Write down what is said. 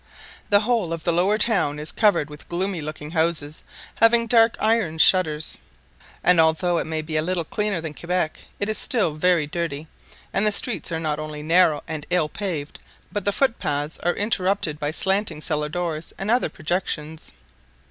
The whole of the lower town is covered with gloomy looking houses, having dark iron shutters; and although it may be a little cleaner than Quebec, it is still very dirty; and the streets are not only narrow and ill paved, but the footpaths are interrupted by slanting cellar doors and other projections."